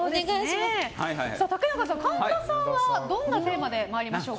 竹中さん、神田さんはどんなテーマで参りましょうか？